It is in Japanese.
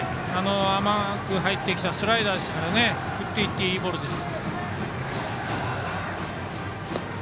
甘く入ってきたスライダーですから打っていっていいボールです。